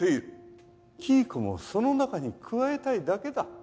黄以子もその中に加えたいだけだ。